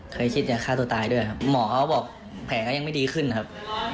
เคยคิดจะฆ่าตัวตายด้วยครับหมอเขาบอกแผลก็ยังไม่ดีขึ้นครับ